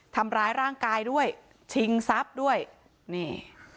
ทำร้ายร่างกายด้วยชิงทรัพย์ด้วยนี่